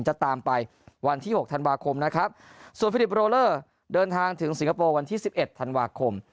จะตามไปวันที่๖ธันวาคมนะครับส่วนฟิลิปโรเลอร์เดินทางถึงสิงคโปร์วันที่๑๑ธันวาคม